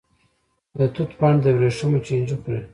د توت پاڼې د وریښمو چینجی خوري.